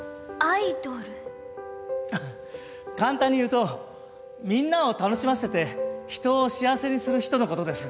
簡単に言うとみんなを楽しませて人を幸せにする人のことです。